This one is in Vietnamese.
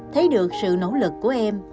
thấy được sự nỗ lực của em